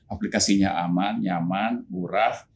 aplikasinya aman nyaman murah